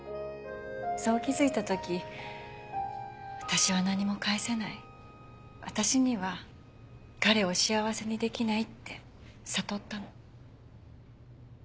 そう気付いた時私は何も返せない私には彼を幸せにできないって悟ったの。